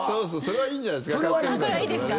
いいんじゃないですか。